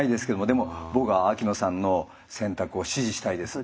でも僕は秋野さんの選択を支持したいです。